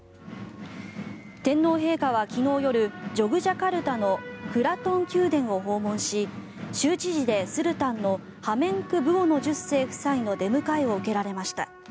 天皇陛下は昨日夜ジョグジャカルタのクラトン宮殿を訪問し州知事でスルタンのハメンクブウォノ１０世夫妻の出迎えを受けられました。